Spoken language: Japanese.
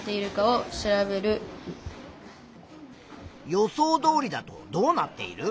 予想どおりだとどうなっている？